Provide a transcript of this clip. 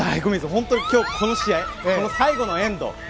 本当に今日この試合最後のこのエンド